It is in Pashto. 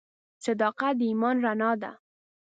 • صداقت د ایمان رڼا ده.